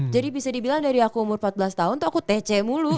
jadi bisa dibilang dari aku umur empat belas tahun tuh aku tc mulu